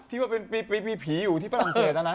ที่ว่าไปมีผีอยู่ที่ฝรั่งเศสนะ